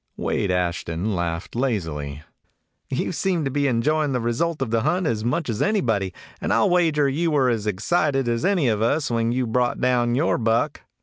Wade Ashton laughed lazily. "You seem to be enjoying the result of the hunt as much as anybody, and I 'll wager you were as ex cited as any of us when you brought down your buck."